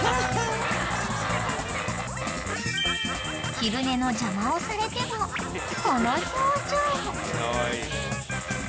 ［昼寝の邪魔をされてもこの表情］